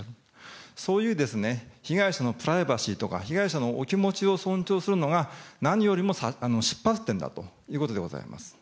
そういう被害者のプライバシーとか被害者のお気持ちを尊重するのが、何よりも出発点だということでございました。